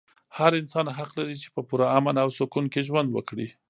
هر انسان حق لري چې په پوره امن او سکون کې ژوند وکړي.